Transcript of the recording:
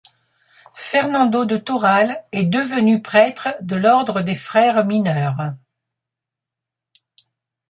Fernando de Toral est devenu prêtre de l'ordre des frères mineurs.